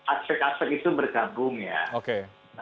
aspek aspek itu bergabung ya